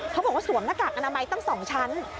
เขาบอกว่าสวมหน้ากากอนามัยตั้งสองชั้น